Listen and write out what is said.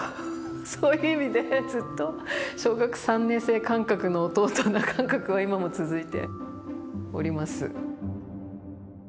そういう意味でずっと小学３年生感覚の弟な感覚が今も続いております。